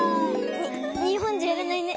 にほんじゃやらないね。